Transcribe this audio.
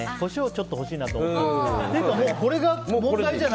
ちょっと欲しいなって思った。